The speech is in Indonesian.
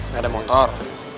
gak ada motor